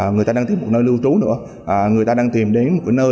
người ta đang tiếp một nơi lưu trú nữa người ta đang tìm đến một nơi